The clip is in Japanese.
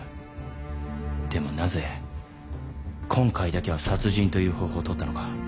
でもなぜ今回だけは殺人という方法を取ったのか。